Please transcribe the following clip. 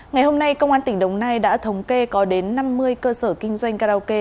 ngày hôm nay công an tỉnh đồng nai đã thống kê có đến năm mươi cơ sở kinh doanh karaoke